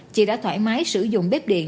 chị đã thoải mái sử dụng bếp điện